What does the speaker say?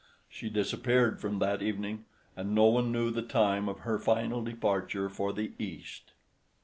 She disappeared from that evening, and no one knew the time of her final departure for "the east."